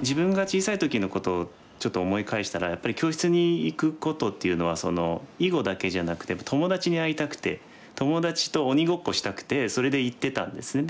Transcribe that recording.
自分が小さい時のことをちょっと思い返したらやっぱり教室に行くことっていうのは囲碁だけじゃなくて友達に会いたくて友達と鬼ごっこしたくてそれで行ってたんですね。